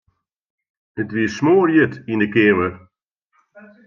It wie smoarhjit yn 'e keamer.